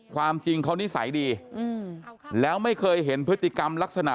ความจริงเขานิสัยดีแล้วไม่เคยเห็นพฤติกรรมลักษณะ